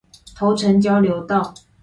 頭城交流道